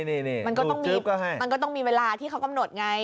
นี่มันก็ต้องมีเวลาที่เขากำหนดไง